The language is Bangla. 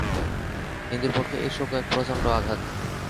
হিন্দুর পক্ষে এই শোক এক প্রচণ্ড আঘাত।